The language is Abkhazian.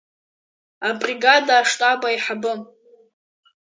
Абригада аштаб аиҳабы…